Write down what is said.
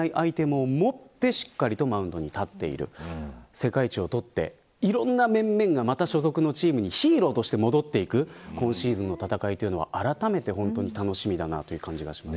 世界一を取って、いろんな面々が所属のチームにヒーローとして戻っていく今シーズンの戦いはあらためて楽しみだと思います。